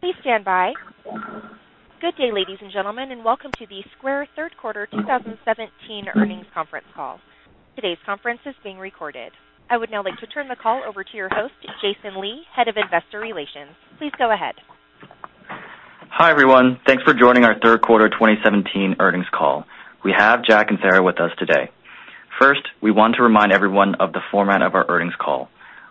Please stand by. Good day, ladies and gentlemen, and welcome to the Square Third Quarter 2017 Earnings Conference Call. Today's conference is being recorded. I would now like to turn the call over to your host, Jason Lee, Head of Investor Relations. Please go ahead. Hi, everyone. Thanks for joining our Third Quarter 2017 earnings call. We have Jack and Sarah with us today. First, we want to remind everyone of the format of our earnings call.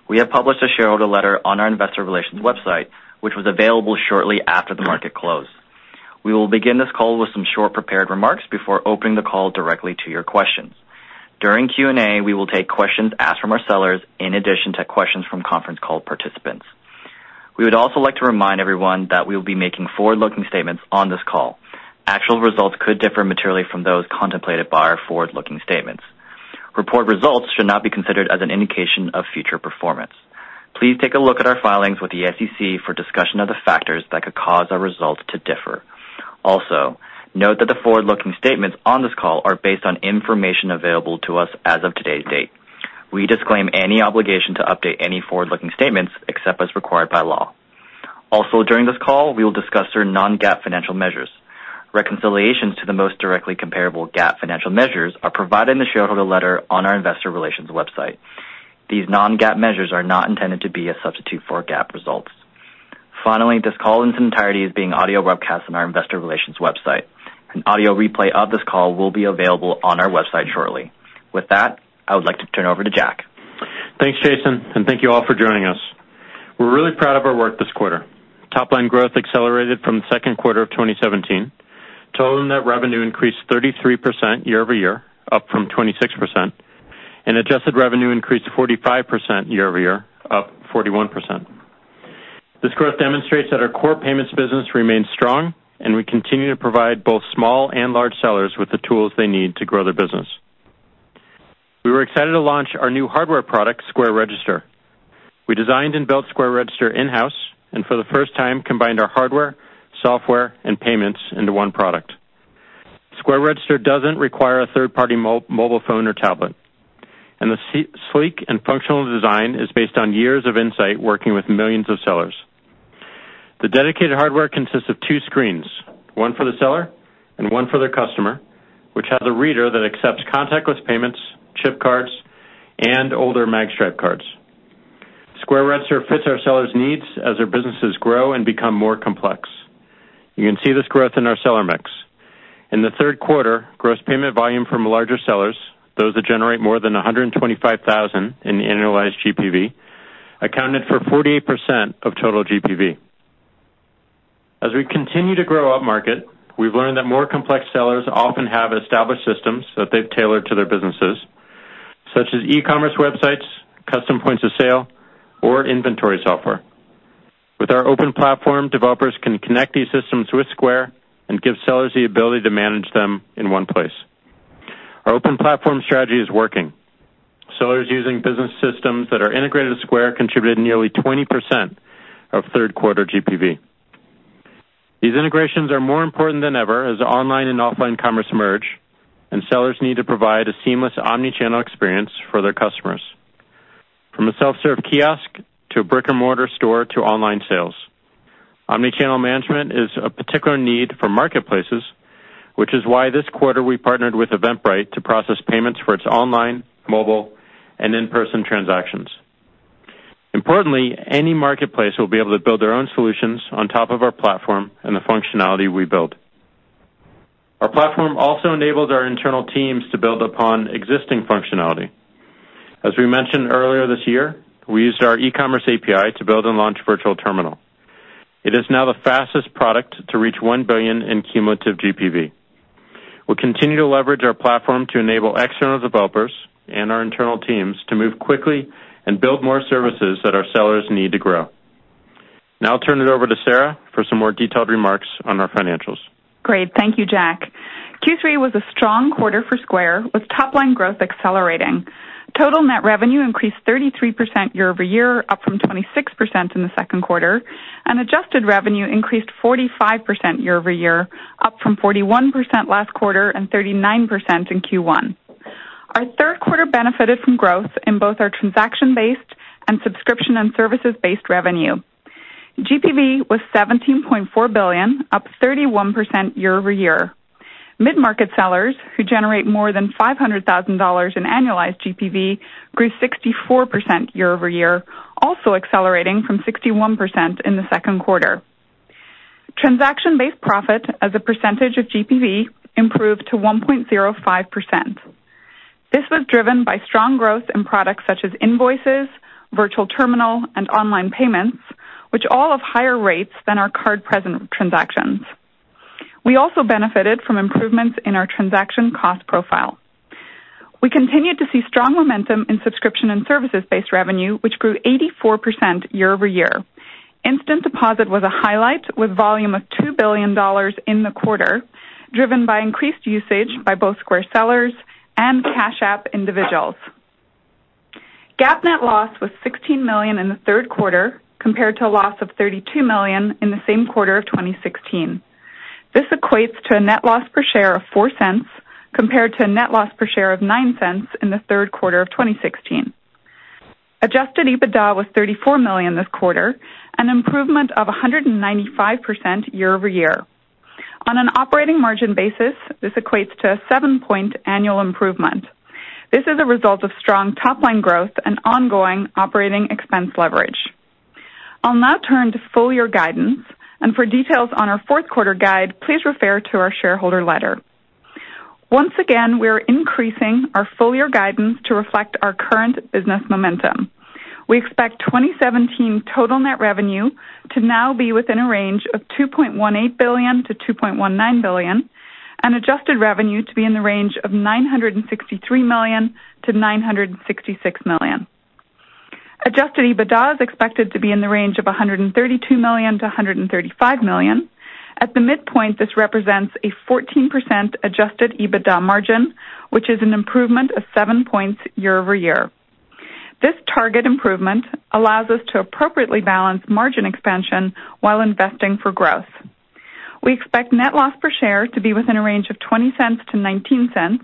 We have published a shareholder letter on our investor relations website, which was available shortly after the market closed. We will begin this call with some short prepared remarks before opening the call directly to your questions. During Q&A, we will take questions asked from our sellers in addition to questions from conference call participants. We would also like to remind everyone that we will be making forward-looking statements on this call. Actual results could differ materially from those contemplated by our forward-looking statements. Reported results should not be considered as an indication of future performance. Please take a look at our filings with the SEC for discussion of the factors that could cause our results to differ. Note that the forward-looking statements on this call are based on information available to us as of today's date. We disclaim any obligation to update any forward-looking statements except as required by law. During this call, we will discuss our non-GAAP financial measures. Reconciliations to the most directly comparable GAAP financial measures are provided in the shareholder letter on our investor relations website. These non-GAAP measures are not intended to be a substitute for GAAP results. Finally, this call in its entirety is being audio broadcast on our investor relations website. An audio replay of this call will be available on our website shortly. With that, I would like to turn it over to Jack. Thanks, Jason, and thank you all for joining us. We're really proud of our work this quarter. Top-line growth accelerated from the Second Quarter of 2017. Total net revenue increased 33% year-over-year, up from 26%, and adjusted revenue increased 45% year-over-year, up 41%. This growth demonstrates that our core payments business remains strong, and we continue to provide both small and large sellers with the tools they need to grow their business. We were excited to launch our new hardware product, Square Register. We designed and built Square Register in-house, and for the first time, combined our hardware, software, and payments into one product. Square Register doesn't require a third-party mobile phone or tablet, and the sleek and functional design is based on years of insight working with millions of sellers. The dedicated hardware consists of two screens, one for the seller and one for their customer, which has a reader that accepts contactless payments, chip cards, and older magstripe cards. Square Register fits our sellers' needs as their businesses grow and become more complex. You can see this growth in our seller mix. In the third quarter, gross payment volume from larger sellers, those that generate more than $125,000 in annualized GPV, accounted for 48% of total GPV. As we continue to grow upmarket, we've learned that more complex sellers often have established systems that they've tailored to their businesses, such as e-commerce websites, custom points of sale, or inventory software. With our open platform, developers can connect these systems with Square and give sellers the ability to manage them in one place. Our open platform strategy is working. Sellers using business systems that are integrated with Square contributed nearly 20% of third quarter GPV. These integrations are more important than ever as online and offline commerce merge, and sellers need to provide a seamless omnichannel experience for their customers, from a self-serve kiosk to a brick-and-mortar store to online sales. Omnichannel management is a particular need for marketplaces, which is why this quarter we partnered with Eventbrite to process payments for its online, mobile, and in-person transactions. Importantly, any marketplace will be able to build their own solutions on top of our platform and the functionality we build. Our platform also enables our internal teams to build upon existing functionality. As we mentioned earlier this year, we used our E-commerce API to build and launch Virtual Terminal. It is now the fastest product to reach $1 billion in cumulative GPV. We continue to leverage our platform to enable external developers and our internal teams to move quickly and build more services that our sellers need to grow. I'll turn it over to Sarah for some more detailed remarks on our financials. Great. Thank you, Jack. Q3 was a strong quarter for Square, with top-line growth accelerating. Total net revenue increased 33% year-over-year, up from 26% in the second quarter, adjusted revenue increased 45% year-over-year, up from 41% last quarter and 39% in Q1. Our third quarter benefited from growth in both our transaction-based and subscription and services-based revenue. GPV was $17.4 billion, up 31% year-over-year. Mid-market sellers who generate more than $500,000 in annualized GPV grew 64% year-over-year, also accelerating from 61% in the second quarter. Transaction-based profit as a percentage of GPV improved to 1.05%. This was driven by strong growth in products such as Invoices, Virtual Terminal, and Online Payments, which all have higher rates than our card-present transactions. We also benefited from improvements in our transaction cost profile. We continued to see strong momentum in subscription and services-based revenue, which grew 84% year-over-year. Instant Deposit was a highlight, with volume of $2 billion in the quarter, driven by increased usage by both Square sellers and Cash App individuals. GAAP net loss was $16 million in the third quarter, compared to a loss of $32 million in the same quarter of 2016. This equates to a net loss per share of $0.04, compared to a net loss per share of $0.09 in the third quarter of 2016. Adjusted EBITDA was $34 million this quarter, an improvement of 195% year-over-year. On an operating margin basis, this equates to a seven-point annual improvement. This is a result of strong top-line growth and ongoing operating expense leverage. I'll now turn to full-year guidance. For details on our fourth quarter guide, please refer to our shareholder letter. Once again, we're increasing our full-year guidance to reflect our current business momentum. We expect 2017 total net revenue to now be within a range of $2.18 billion-$2.19 billion. Adjusted revenue to be in the range of $963 million-$966 million. Adjusted EBITDA is expected to be in the range of $132 million-$135 million. At the midpoint, this represents a 14% adjusted EBITDA margin, which is an improvement of seven points year-over-year. This target improvement allows us to appropriately balance margin expansion while investing for growth. We expect net loss per share to be within a range of $0.20-$0.19.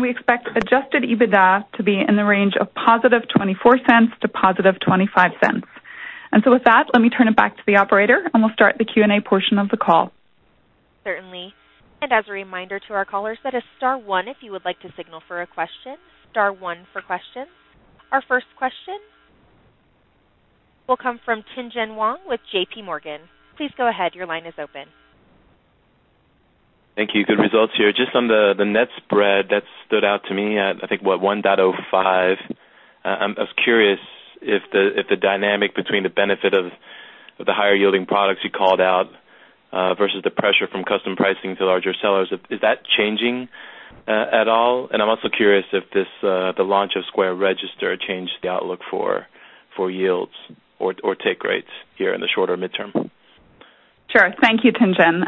We expect adjusted EBITDA to be in the range of positive $0.24 to positive $0.25. With that, let me turn it back to the operator. We'll start the Q&A portion of the call. Certainly. As a reminder to our callers, that is star one if you would like to signal for a question. Star one for questions. Our first question will come from Tien-Tsin Huang with JPMorgan. Please go ahead. Your line is open. Thank you. Good results here. Just on the net spread, that stood out to me at, I think, what, 1.05. I was curious if the dynamic between the benefit of the higher-yielding products you called out, versus the pressure from custom pricing to larger sellers, is that changing at all? I'm also curious if the launch of Square Register changed the outlook for yields or take rates here in the shorter midterm. Thank you, Tien-Tsin.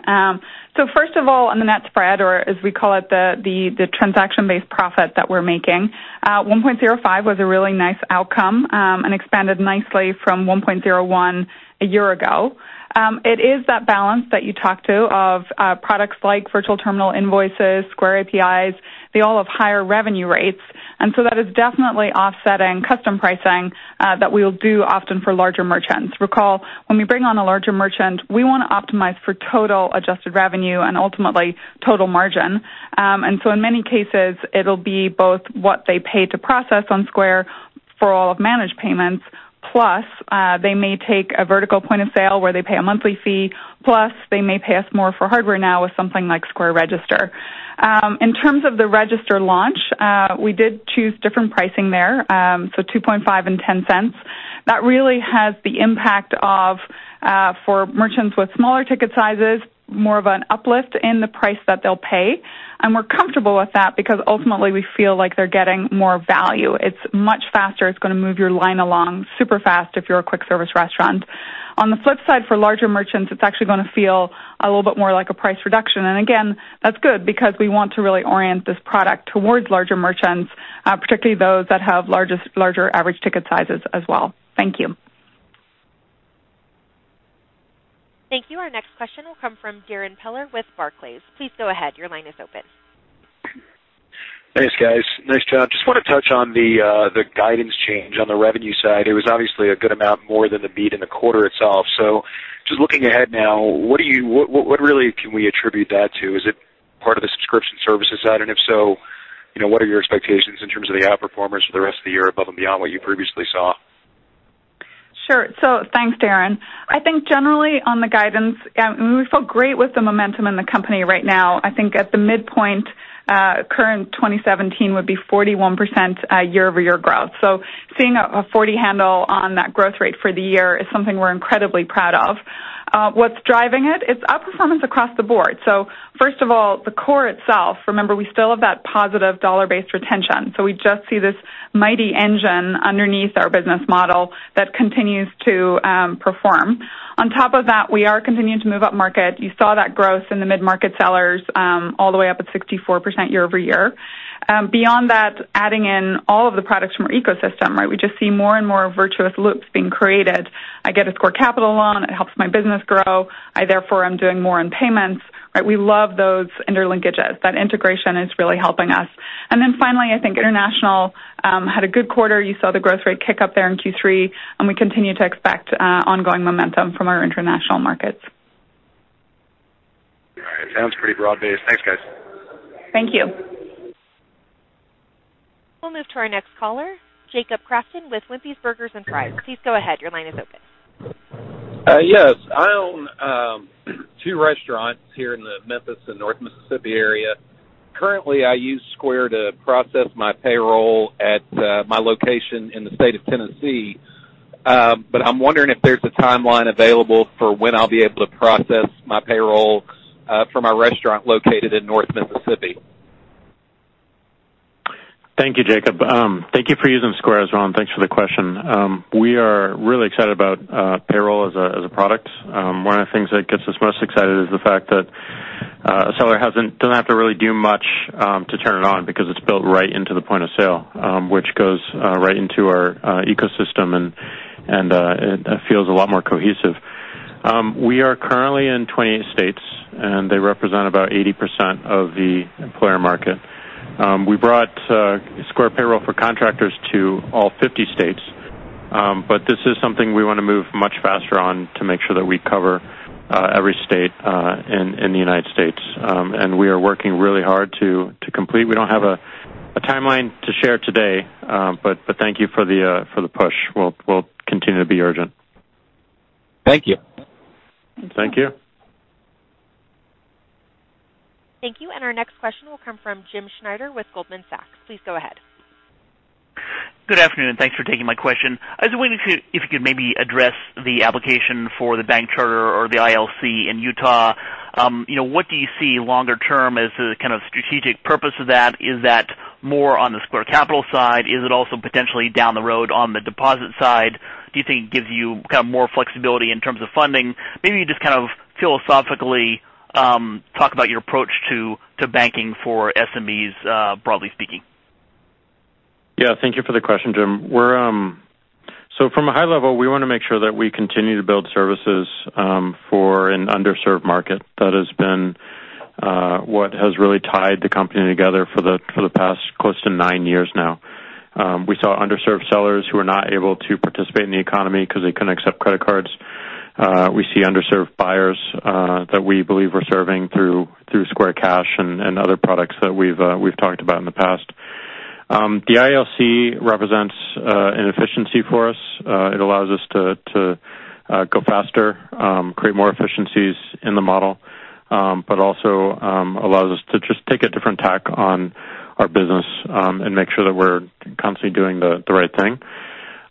First of all, on the net spread, or as we call it, the transaction-based profit that we're making, 1.05 was a really nice outcome and expanded nicely from 1.01 a year ago. It is that balance that you talk to of products like Virtual Terminal, Square Invoices, Square APIs. They all have higher revenue rates, and that is definitely offsetting custom pricing that we'll do often for larger merchants. Recall, when we bring on a larger merchant, we want to optimize for total adjusted revenue and ultimately total margin. In many cases, it'll be both what they pay to process on Square for all of managed payments, plus they may take a vertical point of sale where they pay a monthly fee, plus they may pay us more for hardware now with something like Square Register. In terms of the Register launch, we did choose different pricing there, so $2.5 and $0.10. That really has the impact of, for merchants with smaller ticket sizes, more of an uplift in the price that they'll pay. We're comfortable with that because ultimately we feel like they're getting more value. It's much faster. It's going to move your line along super fast if you're a quick-service restaurant. On the flip side, for larger merchants, it's actually going to feel a little bit more like a price reduction. Again, that's good because we want to really orient this product towards larger merchants, particularly those that have larger average ticket sizes as well. Thank you. Thank you. Our next question will come from Darrin Peller with Barclays. Please go ahead. Your line is open. Thanks, guys. Nice job. I just want to touch on the guidance change on the revenue side. It was obviously a good amount more than the beat in the quarter itself. Just looking ahead now, what really can we attribute that to? Is it part of the subscription services side? If so, what are your expectations in terms of the outperformance for the rest of the year above and beyond what you previously saw? Sure. Thanks, Darrin. I think generally on the guidance, we feel great with the momentum in the company right now. I think at the midpoint, current 2017 would be 41% year-over-year growth. Seeing a 40 handle on that growth rate for the year is something we're incredibly proud of. What's driving it? It's outperformance across the board. First of all, the core itself, remember, we still have that positive dollar-based retention. We just see this mighty engine underneath our business model that continues to perform. On top of that, we are continuing to move up market. You saw that growth in the mid-market sellers all the way up at 64% year-over-year. Beyond that, adding in all of the products from our ecosystem, right? We just see more and more virtuous loops being created. I get a Square Capital loan, it helps my business grow, I therefore am doing more in payments, right? We love those interlinkages. That integration is really helping us. Finally, I think international had a good quarter. You saw the growth rate kick up there in Q3, and we continue to expect ongoing momentum from our international markets. All right. Sounds pretty broad-based. Thanks, guys. Thank you. We'll move to our next caller, Jacob Crafton with Wimpy's Burgers and Fries. Please go ahead. Your line is open. Yes. I own two restaurants here in the Memphis and North Mississippi area. Currently, I use Square to process my payroll at my location in the state of Tennessee, I'm wondering if there's a timeline available for when I'll be able to process my payroll for my restaurant located in North Mississippi. Thank you, Jacob. Thank you for using Square as well. Thanks for the question. We are really excited about Payroll as a product. One of the things that gets us most excited is the fact that Really do much to turn it on because it's built right into the point of sale, which goes right into our ecosystem, and it feels a lot more cohesive. We are currently in 28 states, and they represent about 80% of the employer market. We brought Square Payroll for contractors to all 50 states. This is something we want to move much faster on to make sure that we cover every state in the United States. We are working really hard to complete. We don't have a timeline to share today, thank you for the push. We'll continue to be urgent. Thank you. Thank you. Thank you. Our next question will come from James Schneider with Goldman Sachs. Please go ahead. Good afternoon. Thanks for taking my question. I was wondering if you could maybe address the application for the bank charter or the ILC in Utah. What do you see longer term as the kind of strategic purpose of that? Is that more on the Square Capital side? Is it also potentially down the road on the deposit side? Do you think it gives you kind of more flexibility in terms of funding? Maybe just kind of philosophically talk about your approach to banking for SMEs, broadly speaking. Yeah, thank you for the question, Jim. From a high level, we want to make sure that we continue to build services for an underserved market. That has been what has really tied the company together for the past close to nine years now. We saw underserved sellers who are not able to participate in the economy because they couldn't accept credit cards. We see underserved buyers that we believe we're serving through Square Cash and other products that we've talked about in the past. The ILC represents an efficiency for us. It allows us to go faster, create more efficiencies in the model, but also allows us to just take a different tack on our business and make sure that we're constantly doing the right thing.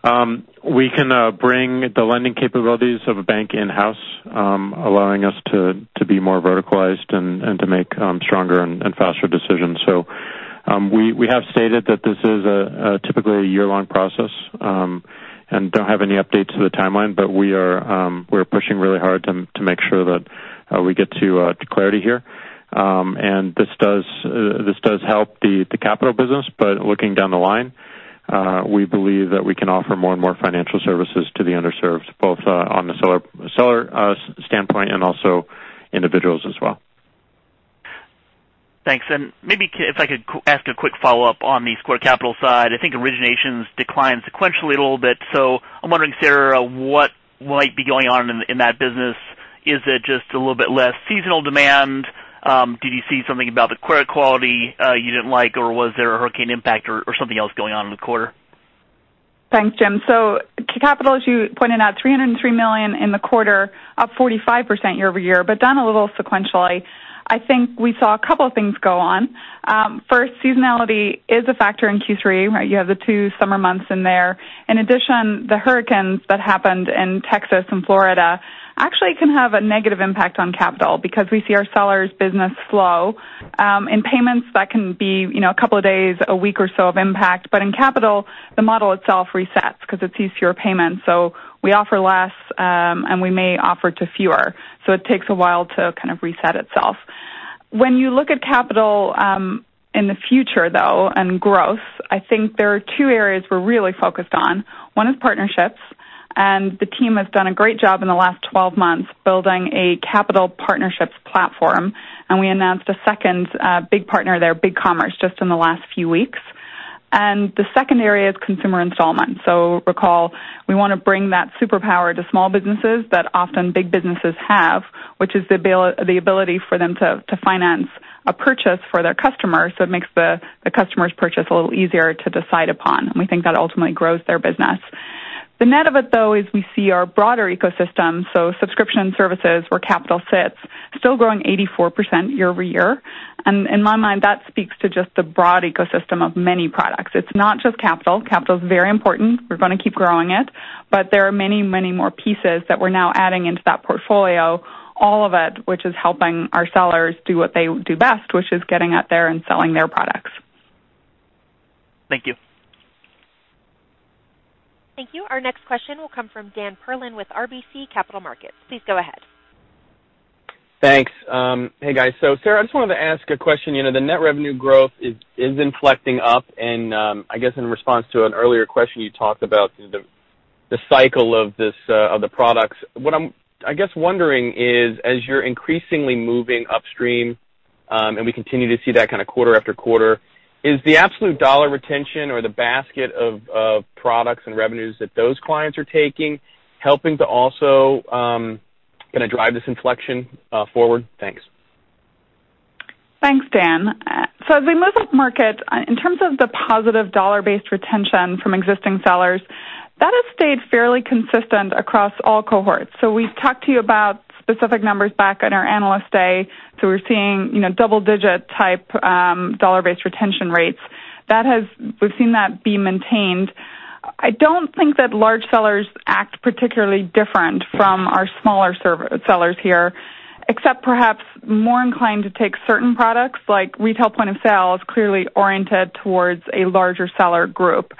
We can bring the lending capabilities of a bank in-house, allowing us to be more verticalized and to make stronger and faster decisions. We have stated that this is typically a year-long process, and don't have any updates to the timeline, but we are pushing really hard to make sure that we get to clarity here. This does help the Capital business, but looking down the line, we believe that we can offer more and more financial services to the underserved, both on the seller standpoint and also individuals as well. Thanks. Maybe if I could ask a quick follow-up on the Square Capital side. I think originations declined sequentially a little bit. I'm wondering, Sarah, what might be going on in that business. Is it just a little bit less seasonal demand? Did you see something about the credit quality you didn't like, or was there a hurricane impact or something else going on in the quarter? Thanks, Jim. Capital, as you pointed out, $303 million in the quarter, up 45% year-over-year, but down a little sequentially. I think we saw a couple of things go on. First, seasonality is a factor in Q3, right? You have the two summer months in there. In addition, the hurricanes that happened in Texas and Florida actually can have a negative impact on Capital because we see our sellers' business slow. In payments, that can be a couple of days, a week or so of impact. But in Capital, the model itself resets because it's easier payments. We offer less, and we may offer to fewer. It takes a while to kind of reset itself. When you look at Capital in the future, though, and growth, I think there are two areas we're really focused on. One is partnerships. The team has done a great job in the last 12 months building a Capital partnerships platform, and we announced a second big partner there, BigCommerce, just in the last few weeks. The second area is consumer installment. Recall, we want to bring that superpower to small businesses that often big businesses have, which is the ability for them to finance a purchase for their customers, so it makes the customer's purchase a little easier to decide upon, and we think that ultimately grows their business. The net of it, though, is we see our broader ecosystem, so subscription services where Capital sits, still growing 84% year-over-year. In my mind, that speaks to just the broad ecosystem of many products. It's not just Capital. Capital is very important. We're going to keep growing it. there are many, many more pieces that we're now adding into that portfolio, all of it which is helping our sellers do what they do best, which is getting out there and selling their products. Thank you. Thank you. Our next question will come from Daniel Perlin with RBC Capital Markets. Please go ahead. Thanks. Hey, guys. Sarah, I just wanted to ask a question. The net revenue growth is inflecting up, and I guess in response to an earlier question, you talked about the cycle of the products. What I'm, I guess, wondering is, as you're increasingly moving upstream, and we continue to see that kind of quarter after quarter, is the absolute dollar retention or the basket of products and revenues that those clients are taking helping to also kind of drive this inflection forward? Thanks. Thanks, Dan. As we move upmarket, in terms of the positive dollar-based retention from existing sellers, that has stayed fairly consistent across all cohorts. We've talked to you about specific numbers back at our Analyst Day. We're seeing double-digit type dollar-based retention rates. We've seen that be maintained. I don't think that large sellers act particularly different from our smaller sellers here, except perhaps more inclined to take certain products like retail point of sale is clearly oriented towards a larger seller group.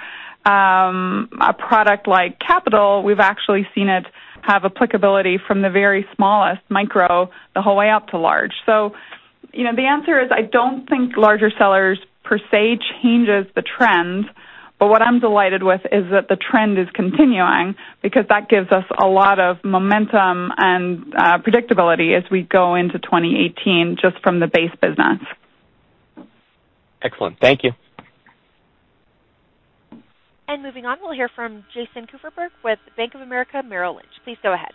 A product like Capital, we've actually seen it have applicability from the very smallest micro, the whole way up to large. The answer is, I don't think larger sellers per se changes the trends, but what I'm delighted with is that the trend is continuing because that gives us a lot of momentum and predictability as we go into 2018, just from the base business. Excellent. Thank you. Moving on, we'll hear from Jason Kupferberg with Bank of America Merrill Lynch. Please go ahead.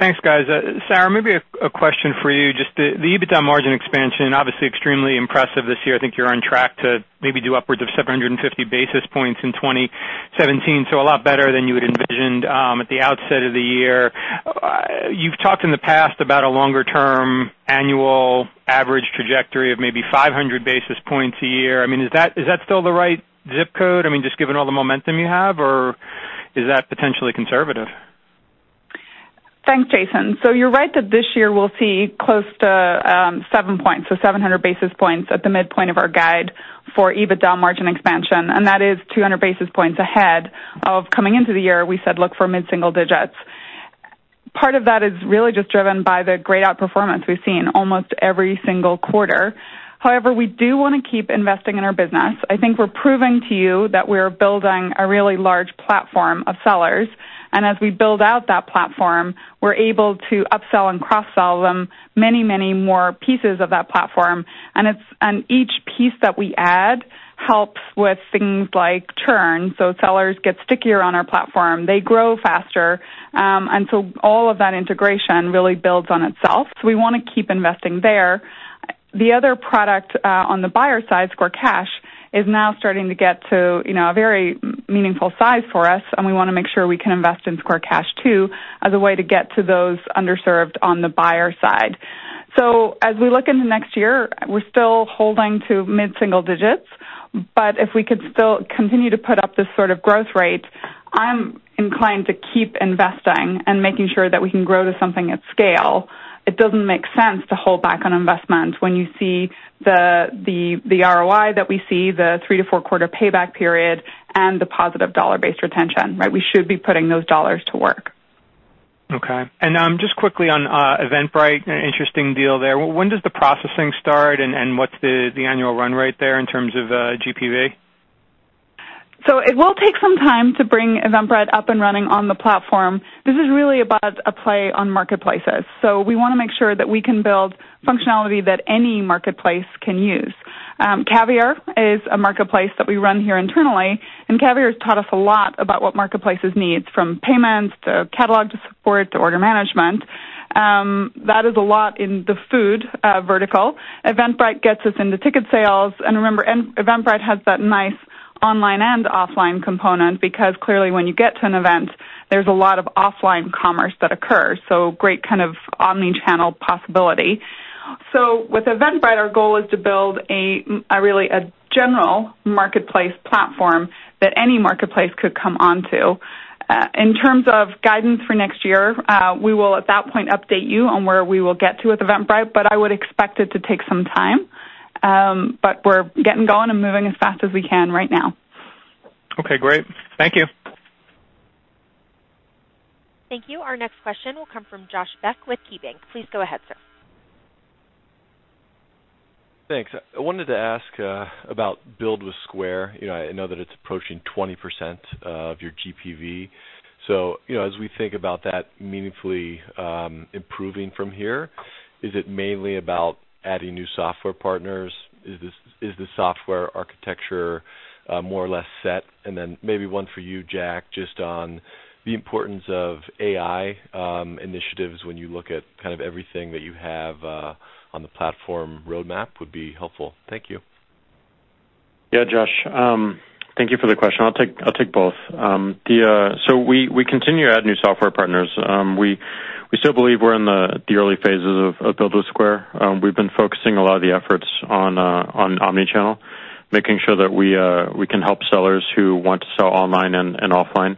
Thanks, guys. Sarah, maybe a question for you. Just the EBITDA margin expansion, obviously extremely impressive this year. I think you're on track to maybe do upwards of 750 basis points in 2017, so a lot better than you had envisioned at the outset of the year. You've talked in the past about a longer-term annual average trajectory of maybe 500 basis points a year. Is that still the right ZIP code? Just given all the momentum you have, or is that potentially conservative? Thanks, Jason. You're right that this year we'll see close to 7 points. 700 basis points at the midpoint of our guide for EBITDA margin expansion, and that is 200 basis points ahead of coming into the year, we said look for mid-single digits. Part of that is really just driven by the great outperformance we've seen almost every single quarter. We do want to keep investing in our business. I think we're proving to you that we're building a really large platform of sellers, and as we build out that platform, we're able to upsell and cross-sell them many, many more pieces of that platform. Each piece that we add helps with things like churn, so sellers get stickier on our platform. They grow faster. All of that integration really builds on itself. We want to keep investing there. The other product on the buyer side, Square Cash, is now starting to get to a very meaningful size for us, and we want to make sure we can invest in Square Cash too, as a way to get to those underserved on the buyer side. As we look into next year, we're still holding to mid-single digits, but if we could still continue to put up this sort of growth rate, I'm inclined to keep investing and making sure that we can grow to something at scale. It doesn't make sense to hold back on investment when you see the ROI that we see, the three to four-quarter payback period, and the positive dollar-based retention. We should be putting those dollars to work. Okay. Just quickly on Eventbrite, an interesting deal there. When does the processing start, and what's the annual run rate there in terms of GPV? It will take some time to bring Eventbrite up and running on the platform. This is really about a play on marketplaces. We want to make sure that we can build functionality that any marketplace can use. Caviar is a marketplace that we run here internally, and Caviar's taught us a lot about what marketplaces need, from payments to catalog to support to order management. That is a lot in the food vertical. Eventbrite gets us into ticket sales, and remember, Eventbrite has that nice online and offline component because clearly when you get to an event, there's a lot of offline commerce that occurs. Great kind of omnichannel possibility. With Eventbrite, our goal is to build really a general marketplace platform that any marketplace could come onto. In terms of guidance for next year, we will at that point update you on where we will get to with Eventbrite, I would expect it to take some time. We're getting going and moving as fast as we can right now. Great. Thank you. Thank you. Our next question will come from Josh Beck with KeyBanc. Please go ahead, sir. Thanks. I wanted to ask about Build with Square. I know that it's approaching 20% of your GPV. As we think about that meaningfully improving from here, is it mainly about adding new software partners? Is the software architecture more or less set? Maybe one for you, Jack, just on the importance of AI initiatives when you look at kind of everything that you have on the platform roadmap would be helpful. Thank you. Yeah. Josh, thank you for the question. I'll take both. We continue to add new software partners. We still believe we're in the early phases of Build with Square. We've been focusing a lot of the efforts on omnichannel, making sure that we can help sellers who want to sell online and offline.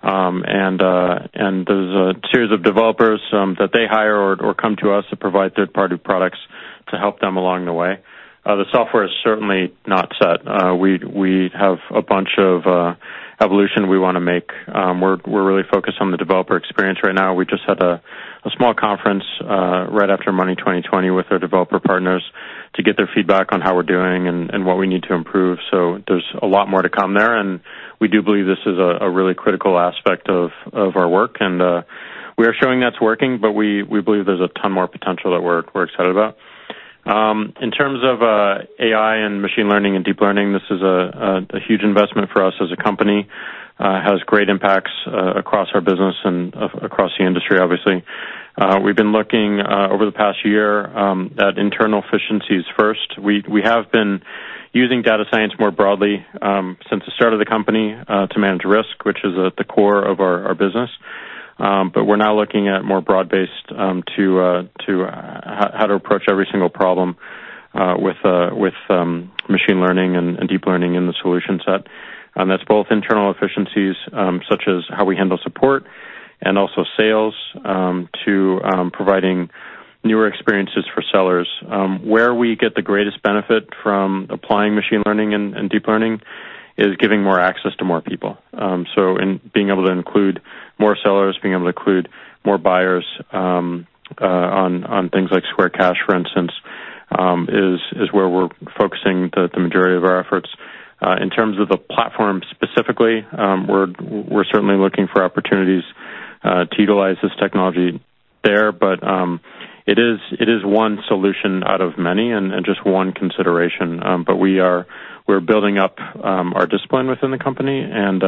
There's a series of developers that they hire or come to us to provide third-party products to help them along the way. The software is certainly not set. We have a bunch of evolution we want to make. We're really focused on the developer experience right now. We just had a small conference right after Money20/20 with our developer partners to get their feedback on how we're doing and what we need to improve. There's a lot more to come there, and we do believe this is a really critical aspect of our work, and we are showing that's working, but we believe there's a ton more potential that we're excited about. In terms of AI and machine learning and deep learning, this is a huge investment for us as a company. Has great impacts across our business and across the industry, obviously. We've been looking over the past year at internal efficiencies first. We have been using data science more broadly since the start of the company to manage risk, which is at the core of our business. We're now looking at more broad-based to how to approach every single problem with machine learning and deep learning in the solution set. That's both internal efficiencies, such as how we handle support and also sales to providing newer experiences for sellers. Where we get the greatest benefit from applying machine learning and deep learning is giving more access to more people. In being able to include more sellers, being able to include more buyers on things like Square Cash, for instance, is where we're focusing the majority of our efforts. In terms of the platform specifically, we're certainly looking for opportunities to utilize this technology there. It is one solution out of many and just one consideration. We're building up our discipline within the company and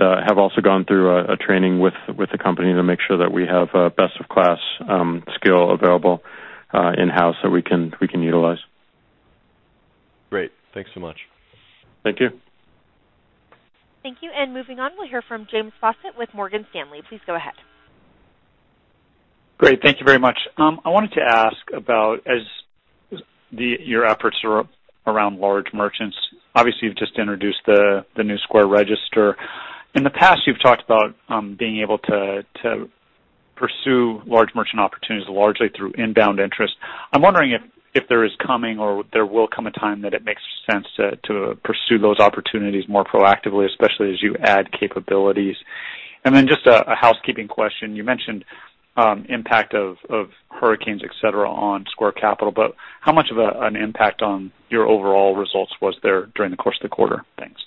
have also gone through a training with the company to make sure that we have best of class skill available in-house that we can utilize. Great. Thanks so much. Thank you. Thank you. Moving on, we'll hear from James Faucette with Morgan Stanley. Please go ahead. Great. Thank you very much. I wanted to ask about as your efforts are around large merchants, obviously, you've just introduced the new Square Register. In the past, you've talked about being able to pursue large merchant opportunities largely through inbound interest. I'm wondering if there is coming or there will come a time that it makes sense to pursue those opportunities more proactively, especially as you add capabilities. Then just a housekeeping question. You mentioned impact of hurricanes, et cetera, on Square Capital, but how much of an impact on your overall results was there during the course of the quarter? Thanks.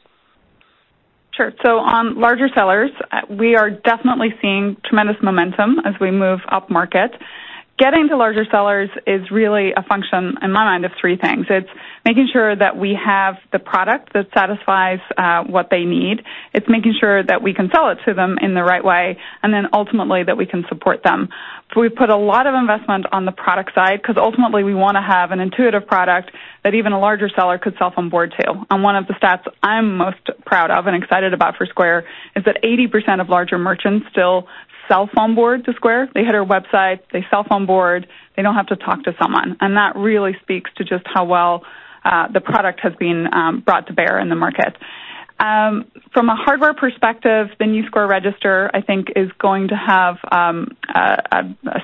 Sure. On larger sellers, we are definitely seeing tremendous momentum as we move upmarket. Getting to larger sellers is really a function, in my mind, of three things. It's making sure that we have the product that satisfies what they need. It's making sure that we can sell it to them in the right way, ultimately, that we can support them. We've put a lot of investment on the product side because ultimately we want to have an intuitive product that even a larger seller could self-onboard to. One of the stats I'm most proud of and excited about for Square is that 80% of larger merchants still self-onboard to Square. They hit our website, they self-onboard, they don't have to talk to someone. That really speaks to just how well the product has been brought to bear in the market. From a hardware perspective, the new Square Register, I think, is going to have a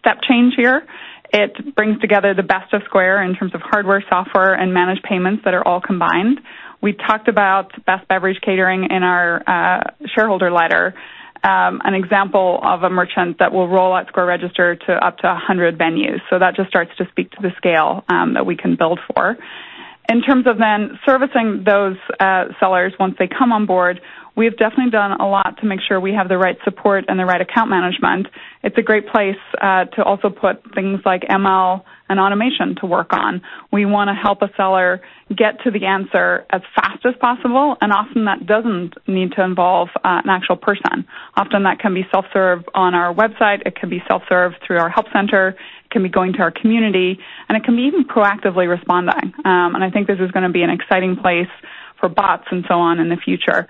step change here. It brings together the best of Square in terms of hardware, software, and managed payments that are all combined. We talked about Best Beverage Catering in our shareholder letter, an example of a merchant that will roll out Square Register to up to 100 venues. That just starts to speak to the scale that we can build for. In terms of servicing those sellers once they come on board, we have definitely done a lot to make sure we have the right support and the right account management. It's a great place to also put things like ML and automation to work on. We want to help a seller get to the answer as fast as possible, and often that doesn't need to involve an actual person. Often that can be self-serve on our website, it can be self-serve through our help center, it can be going to our community, it can be even proactively responding. I think this is going to be an exciting place for bots and so on in the future.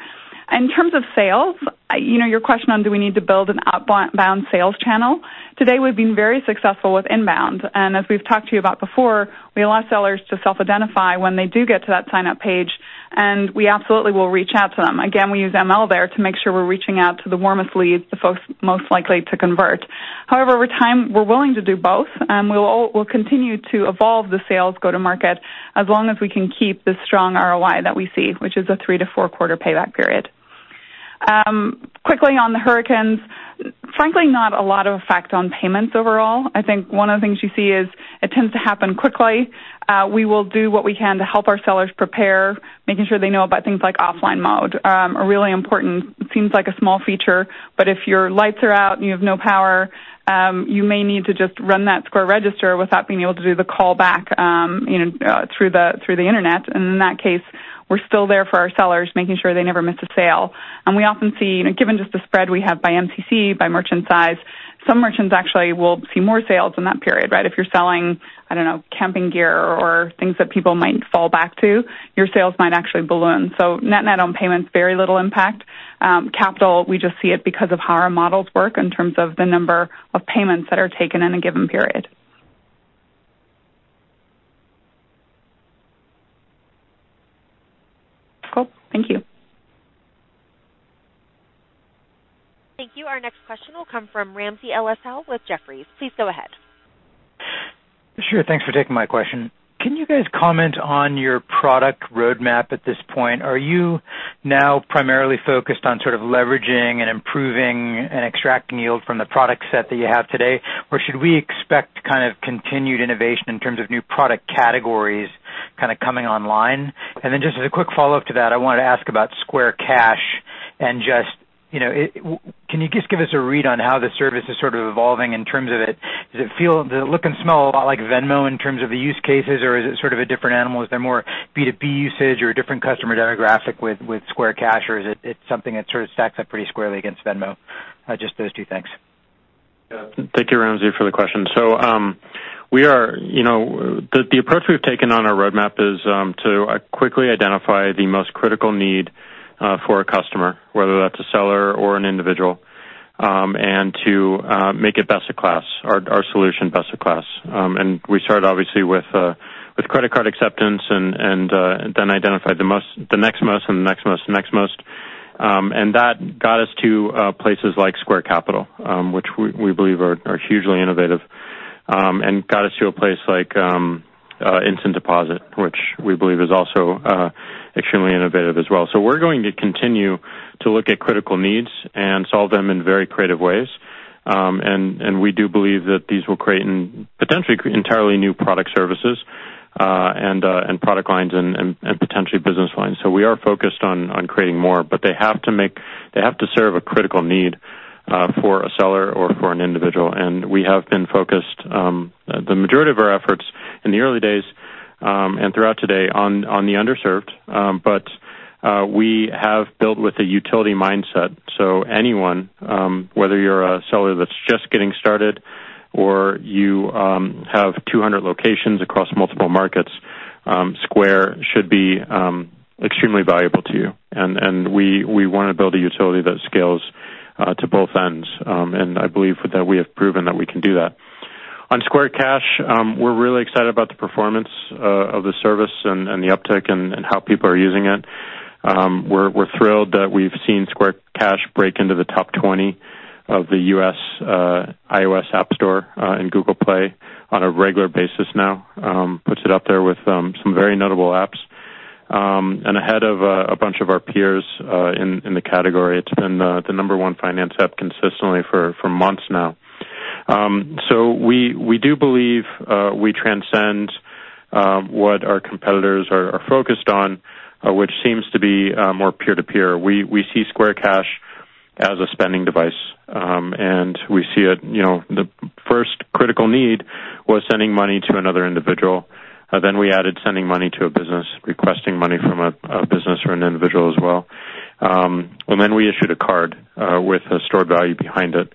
In terms of sales, your question on do we need to build an outbound sales channel? Today, we've been very successful with inbound, as we've talked to you about before, we allow sellers to self-identify when they do get to that sign-up page, we absolutely will reach out to them. Again, we use ML there to make sure we're reaching out to the warmest leads, the folks most likely to convert. However, over time, we're willing to do both, we'll continue to evolve the sales go-to-market as long as we can keep the strong ROI that we see, which is a 3 to 4 quarter payback period. Quickly on the hurricanes, frankly, not a lot of effect on payments overall. I think one of the things you see is it tends to happen quickly. We will do what we can to help our sellers prepare, making sure they know about things like offline mode. A really important, seems like a small feature, but if your lights are out and you have no power, you may need to just run that Square Register without being able to do the call back through the internet. In that case, we're still there for our sellers, making sure they never miss a sale. We often see, given just the spread we have by MCC, by merchant size, some merchants actually will see more sales in that period, right? If you're selling, I don't know, camping gear or things that people might fall back to, your sales might actually balloon. Net on payments, very little impact. Capital, we just see it because of how our models work in terms of the number of payments that are taken in a given period. Cool. Thank you. Thank you. Our next question will come from Ramsey El-Assal with Jefferies. Please go ahead. Sure. Thanks for taking my question. Can you guys comment on your product roadmap at this point? Are you now primarily focused on sort of leveraging and improving and extracting yield from the product set that you have today? Or should we expect kind of continued innovation in terms of new product categories kind of coming online? Then just as a quick follow-up to that, I wanted to ask about Square Cash and just can you just give us a read on how the service is sort of evolving in terms of does it look and smell a lot like Venmo in terms of the use cases, or is it sort of a different animal? Is there more B2B usage or a different customer demographic with Square Cash, or is it something that sort of stacks up pretty squarely against Venmo? Just those two things. Yeah. Thank you, Ramsey, for the question. The approach we've taken on our roadmap is to quickly identify the most critical need for a customer, whether that's a seller or an individual, and to make it best of class, our solution best of class. We started obviously with credit card acceptance, then identified the next most, the next most. That got us to places like Square Capital, which we believe are hugely innovative, and got us to a place like Instant Deposit, which we believe is also extremely innovative as well. We're going to continue to look at critical needs and solve them in very creative ways. We do believe that these will potentially create entirely new product services and product lines and potentially business lines. We are focused on creating more, but they have to serve a critical need for a seller or for an individual. We have been focused the majority of our efforts in the early days, and throughout today, on the underserved. We have built with a utility mindset. Anyone, whether you're a seller that's just getting started or you have 200 locations across multiple markets, Square should be extremely valuable to you. We want to build a utility that scales to both ends. I believe that we have proven that we can do that. On Square Cash, we're really excited about the performance of the service and the uptick and how people are using it. We're thrilled that we've seen Square Cash break into the top 20 of the U.S. iOS App Store in Google Play on a regular basis now. Puts it up there with some very notable apps, ahead of a bunch of our peers in the category. It's been the number one finance app consistently for months now. We do believe we transcend what our competitors are focused on, which seems to be more peer-to-peer. We see Square Cash as a spending device. We see it, the first critical need was sending money to another individual. We added sending money to a business, requesting money from a business or an individual as well. We issued a card with a stored value behind it.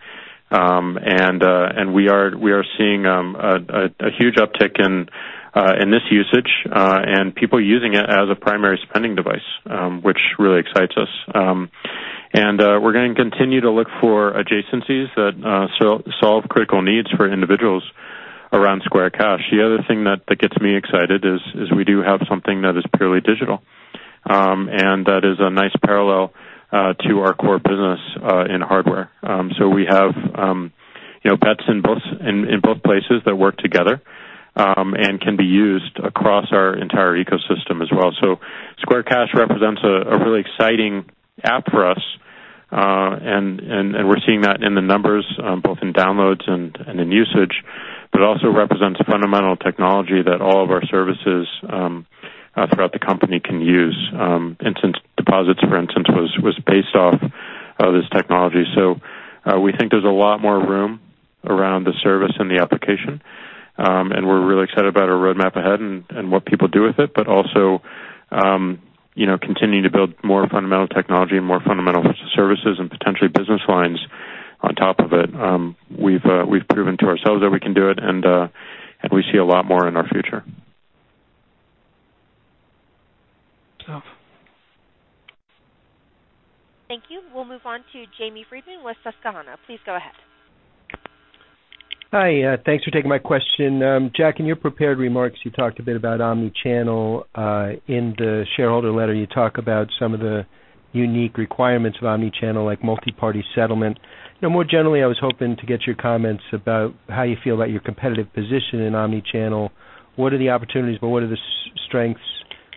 We are seeing a huge uptick in this usage, and people using it as a primary spending device, which really excites us. We're going to continue to look for adjacencies that solve critical needs for individuals around Square Cash. The other thing that gets me excited is we do have something that is purely digital. That is a nice parallel to our core business in hardware. We have bets in both places that work together and can be used across our entire ecosystem as well. Square Cash represents a really exciting app for us. We're seeing that in the numbers, both in downloads and in usage, but also represents fundamental technology that all of our services throughout the company can use. Instant Deposit, for instance, was based off of this technology. We think there's a lot more room around the service and the application. We're really excited about our roadmap ahead and what people do with it, but also continuing to build more fundamental technology and more fundamental services and potentially business lines on top of it. We've proven to ourselves that we can do it, we see a lot more in our future. Thank you. We'll move on to Jamie Friedman with Susquehanna. Please go ahead. Hi. Thanks for taking my question. Jack, in your prepared remarks, you talked a bit about omnichannel. In the shareholder letter, you talk about some of the unique requirements of omnichannel, like multi-party settlement. More generally, I was hoping to get your comments about how you feel about your competitive position in omnichannel. What are the opportunities, what are the strengths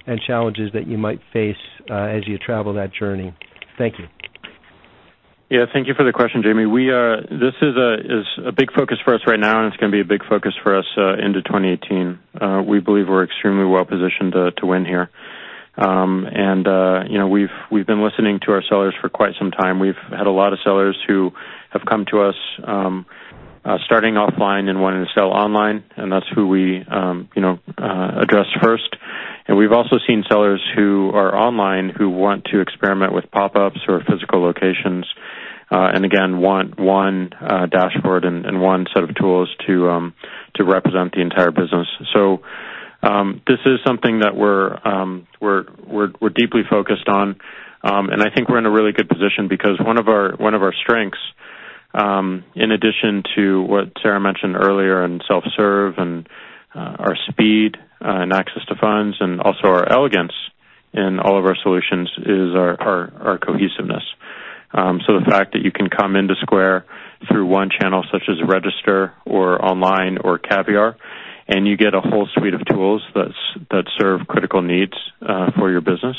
and challenges that you might face as you travel that journey? Thank you. Yeah. Thank you for the question, Jamie. This is a big focus for us right now, and it's going to be a big focus for us into 2018. We believe we're extremely well positioned to win here. We've been listening to our sellers for quite some time. We've had a lot of sellers who have come to us, starting offline and wanting to sell online, and that's who we address first. We've also seen sellers who are online who want to experiment with pop-ups or physical locations, and again, want one dashboard and one set of tools to represent the entire business. This is something that we're deeply focused on. I think we're in a really good position because one of our strengths, in addition to what Sarah mentioned earlier in self-serve and our speed and access to funds, and also our elegance in all of our solutions, is our cohesiveness. The fact that you can come into Square through one channel, such as Square Register or online or Caviar, and you get a whole suite of tools that serve critical needs for your business,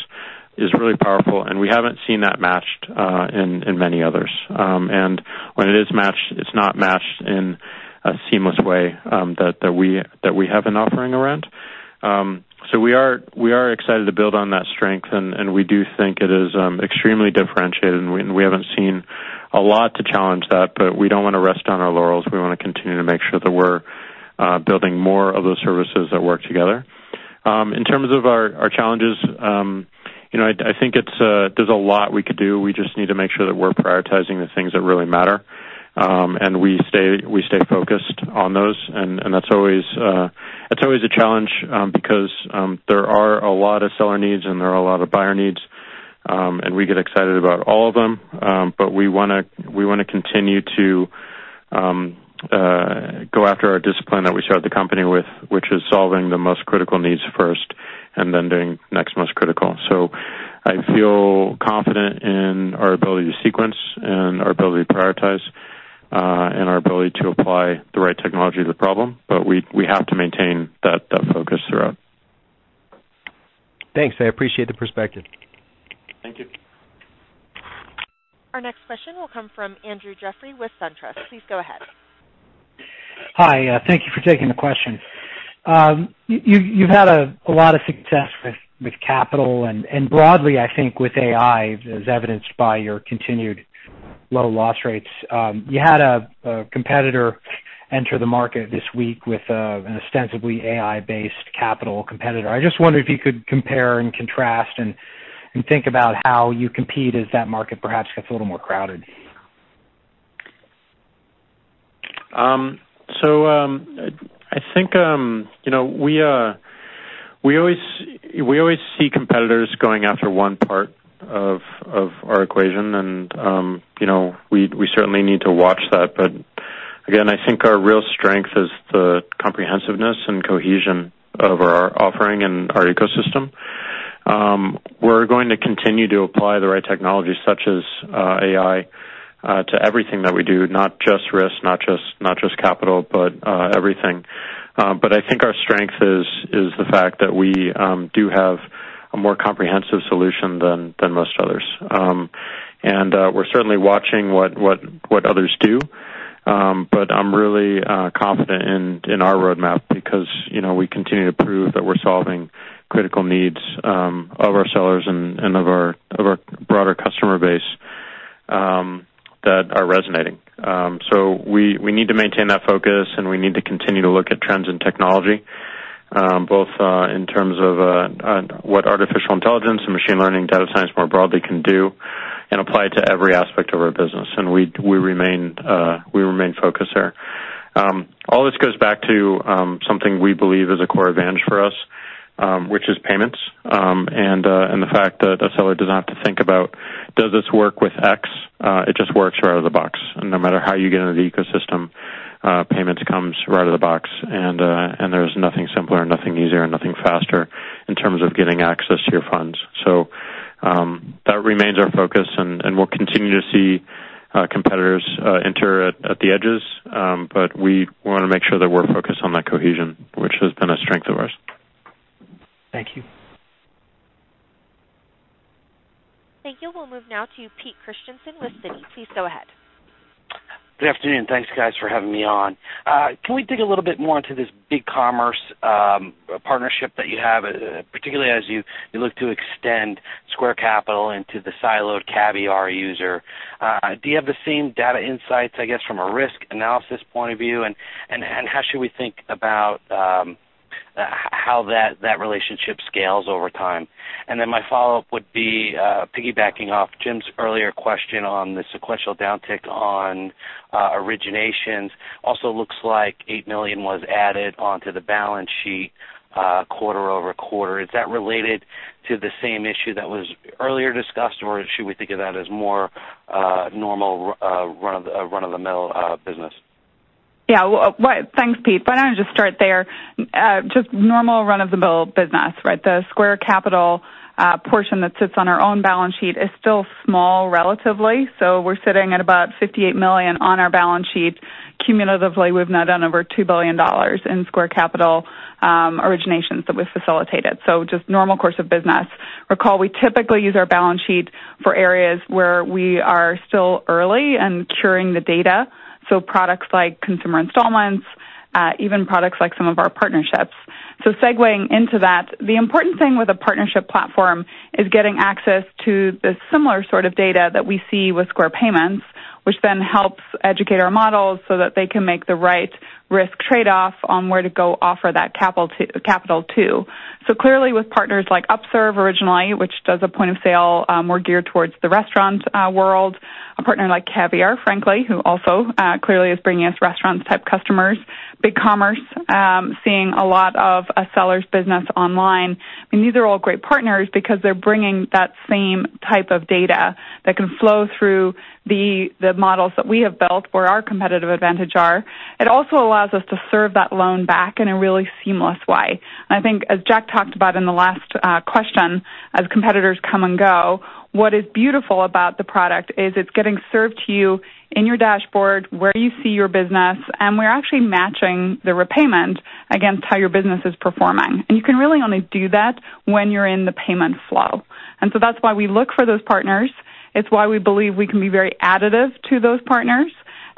is really powerful, and we haven't seen that matched in many others. When it is matched, it's not matched in a seamless way that we have an offering around. We are excited to build on that strength, and we do think it is extremely differentiated, and we haven't seen a lot to challenge that, but we don't want to rest on our laurels. We want to continue to make sure that we're building more of those services that work together. In terms of our challenges, I think there's a lot we could do. We just need to make sure that we're prioritizing the things that really matter. We stay focused on those, and that's always a challenge because there are a lot of seller needs, and there are a lot of buyer needs. We get excited about all of them, but we want to continue to go after our discipline that we started the company with, which is solving the most critical needs first and then doing next most critical. I feel confident in our ability to sequence and our ability to prioritize, and our ability to apply the right technology to the problem. We have to maintain that focus throughout. Thanks. I appreciate the perspective. Thank you. Our next question will come from Andrew Jeffrey with SunTrust. Please go ahead. Hi. Thank you for taking the question. You've had a lot of success with Square Capital and broadly, I think, with AI, as evidenced by your continued low loss rates. You had a competitor enter the market this week with an ostensibly AI-based Square Capital competitor. I just wonder if you could compare and contrast and think about how you compete as that market perhaps gets a little more crowded. I think we always see competitors going after one part of our equation and we certainly need to watch that. Again, I think our real strength is the comprehensiveness and cohesion of our offering and our ecosystem. We're going to continue to apply the right technology, such as AI, to everything that we do, not just risk, not just Square Capital, but everything. I think our strength is the fact that we do have a more comprehensive solution than most others. We're certainly watching what others do, but I'm really confident in our roadmap because we continue to prove that we're solving critical needs of our sellers and of our broader customer base that are resonating. We need to maintain that focus, and we need to continue to look at trends in technology, both in terms of what artificial intelligence and machine learning, data science more broadly can do and apply it to every aspect of our business. We remain focused there. All this goes back to something we believe is a core advantage for us, which is payments. The fact that a seller does not have to think about, does this work with X? It just works right out of the box. No matter how you get into the ecosystem, payments comes right out of the box, and there's nothing simpler, nothing easier, and nothing faster in terms of getting access to your funds. That remains our focus, and we'll continue to see competitors enter at the edges. We want to make sure that we're focused on that cohesion, which has been a strength of ours. Thank you. Thank you. We'll move now to Peter Christiansen with Citi. Please go ahead. Good afternoon. Thanks, guys, for having me on. Can we dig a little bit more into this BigCommerce partnership that you have, particularly as you look to extend Square Capital into the siloed Caviar user? Do you have the same data insights, I guess, from a risk analysis point of view? How should we think about how that relationship scales over time? Then my follow-up would be piggybacking off Jim's earlier question on the sequential downtick on originations. Looks like $8 million was added onto the balance sheet quarter-over-quarter. Is that related to the same issue that was earlier discussed, or should we think of that as more normal run-of-the-mill business? Yeah. Thanks, Pete. Why don't I just start there? Just normal run-of-the-mill business, right? The Square Capital portion that sits on our own balance sheet is still small, relatively. We're sitting at about $58 million on our balance sheet. Cumulatively, we've now done over $2 billion in Square Capital originations that we've facilitated. Just normal course of business. Recall, we typically use our balance sheet for areas where we are still early and curing the data. Products like consumer installments, even products like some of our partnerships. Segueing into that, the important thing with a partnership platform is getting access to the similar sort of data that we see with Square payments, which then helps educate our models so that they can make the right risk trade-off on where to go offer that capital to. Clearly with partners like Upserve originally, which does a point-of-sale more geared towards the restaurant world, a partner like Caviar, frankly, who also clearly is bringing us restaurant-type customers, BigCommerce, seeing a lot of a seller's business online. I mean, these are all great partners because they're bringing that same type of data that can flow through the models that we have built, where our competitive advantage are. It also allows us to serve that loan back in a really seamless way. I think as Jack talked about in the last question, as competitors come and go, what is beautiful about the product is it's getting served to you in your dashboard where you see your business, and we're actually matching the repayment against how your business is performing. You can really only do that when you're in the payment flow. That's why we look for those partners. It's why we believe we can be very additive to those partners,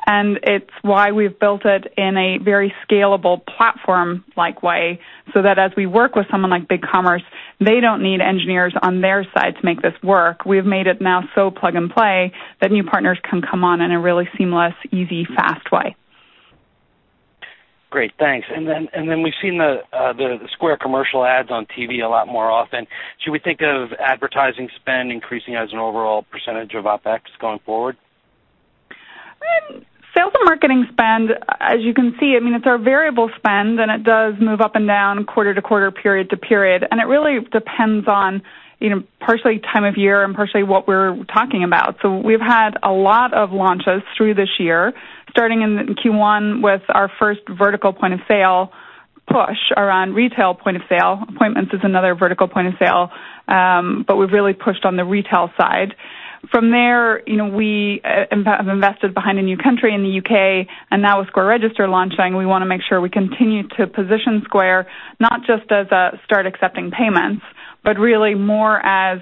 it's why we've built it in a very scalable platform-like way, so that as we work with someone like BigCommerce, they don't need engineers on their side to make this work. We've made it now so plug and play that new partners can come on in a really seamless, easy, fast way. Great, thanks. We've seen the Square commercial ads on TV a lot more often. Should we think of advertising spend increasing as an overall percentage of OpEx going forward? Sales and marketing spend, as you can see, it's our variable spend, it does move up and down quarter to quarter, period to period. It really depends on partially time of year and partially what we're talking about. We've had a lot of launches through this year, starting in Q1 with our first vertical point of sale push around retail point of sale. Appointments is another vertical point of sale, but we've really pushed on the retail side. From there, we have invested behind a new country in the U.K., now with Square Register launching, we want to make sure we continue to position Square not just as a start accepting payments, but really more as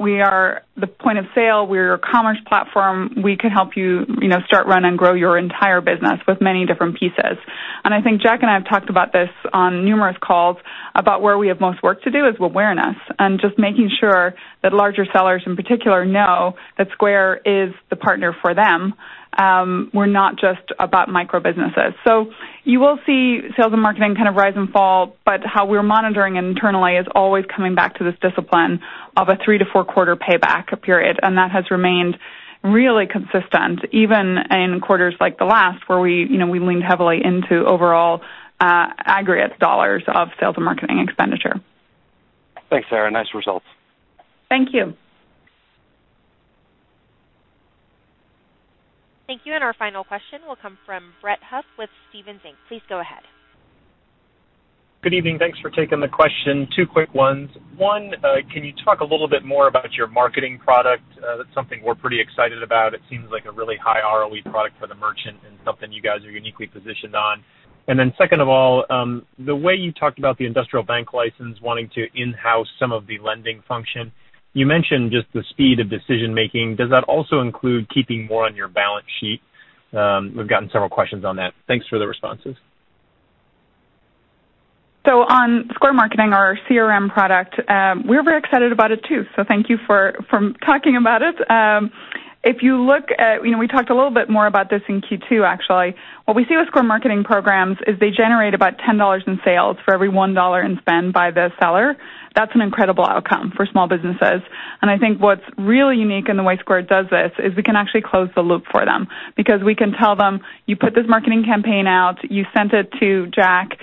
we are the point of sale, we're a commerce platform. We can help you start, run, and grow your entire business with many different pieces. I think Jack and I have talked about this on numerous calls about where we have most work to do is with awareness and just making sure that larger sellers, in particular, know that Square is the partner for them. We're not just about micro businesses. You will see sales and marketing kind of rise and fall, but how we're monitoring internally is always coming back to this discipline of a three to four quarter payback period. That has remained really consistent, even in quarters like the last, where we leaned heavily into overall aggregate dollars of sales and marketing expenditure. Thanks, Sarah. Nice results. Thank you. Thank you. Our final question will come from Brett Huff with Stephens Inc. Please go ahead. Good evening. Thanks for taking the question. Two quick ones. One, can you talk a little bit more about your Square Marketing product? That's something we're pretty excited about. It seems like a really high ROE product for the merchant and something you guys are uniquely positioned on. Second of all, the way you talked about the ILC wanting to in-house some of the lending function, you mentioned just the speed of decision making. Does that also include keeping more on your balance sheet? We've gotten several questions on that. Thanks for the responses. On Square Marketing, our CRM product, we're very excited about it too. Thank you for talking about it. We talked a little bit more about this in Q2, actually. What we see with Square Marketing programs is they generate about $10 in sales for every $1 in spend by the seller. That's an incredible outcome for small businesses. I think what's really unique in the way Square does this is we can actually close the loop for them because we can tell them, you put this marketing campaign out, you sent it to Jack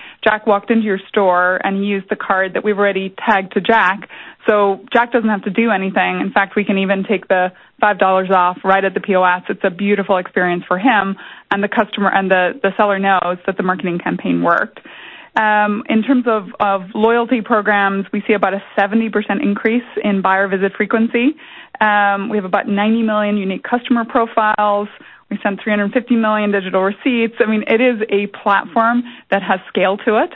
walked into your store and used the card that we've already tagged to Jack, so Jack doesn't have to do anything. In fact, we can even take the $5 off right at the POS. It's a beautiful experience for him and the seller knows that the marketing campaign worked. In terms of loyalty programs, we see about a 70% increase in buyer visit frequency. We have about 90 million unique customer profiles. We send 350 million digital receipts. It is a platform that has scale to it.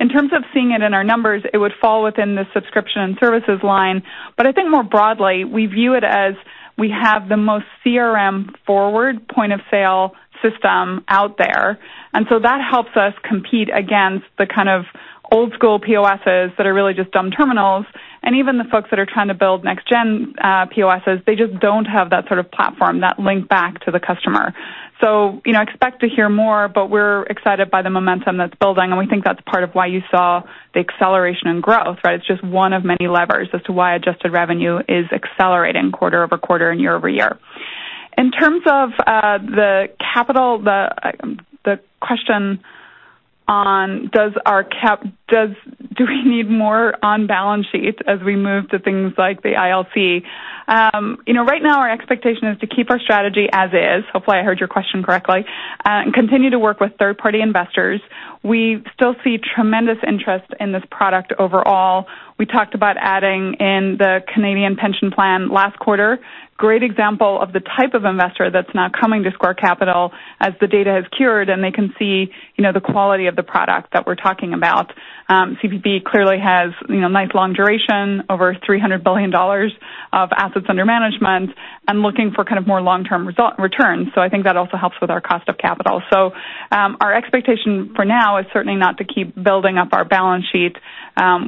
In terms of seeing it in our numbers, it would fall within the Subscription and Services line. I think more broadly, we view it as we have the most CRM forward point of sale system out there. That helps us compete against the kind of old school POSs that are really just dumb terminals. Even the folks that are trying to build next gen POSs, they just don't have that sort of platform, that link back to the customer. Expect to hear more, but we're excited by the momentum that's building, and we think that's part of why you saw the acceleration in growth. It's just one of many levers as to why adjusted revenue is accelerating quarter-over-quarter and year-over-year. In terms of the capital, the question on do we need more on balance sheet as we move to things like the ILC. Right now our expectation is to keep our strategy as is, hopefully I heard your question correctly, and continue to work with third party investors. We still see tremendous interest in this product overall. We talked about adding in the Canada Pension Plan last quarter. Great example of the type of investor that's now coming to Square Capital as the data has cured and they can see the quality of the product that we're talking about. CPPIB clearly has nice long duration, over $300 billion of assets under management and looking for more long-term returns. I think that also helps with our cost of capital. Our expectation for now is certainly not to keep building up our balance sheet.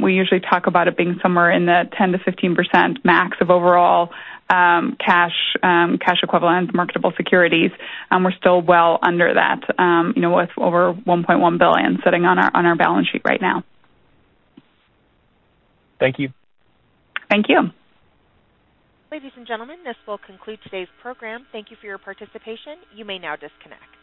We usually talk about it being somewhere in the 10%-15% max of overall cash equivalent marketable securities, and we're still well under that with over $1.1 billion sitting on our balance sheet right now. Thank you. Thank you. Ladies and gentlemen, this will conclude today's program. Thank you for your participation. You may now disconnect.